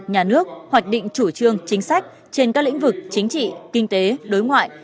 nhà nước hoạch định chủ trương chính sách trên các lĩnh vực chính trị kinh tế đối ngoại